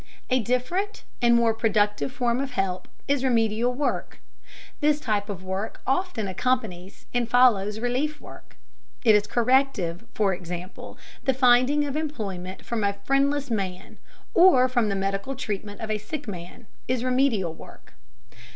A different and more productive form of help is remedial work. This type of work often accompanies and follows relief work. It is corrective, for example, the finding of employment for a friendless man, or the medical treatment of a sick man, is remedial work.